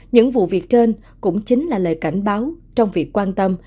những vụ việc trên cũng chính là lời cảnh báo trong việc quan tâm